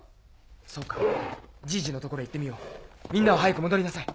そうかジイジの所へ行ってみようみんなは早く戻りなさい。